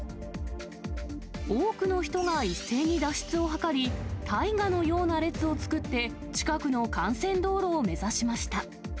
多くの人が一斉に脱出を図り、大河のような列を作って、近くの幹線道路を目指しました。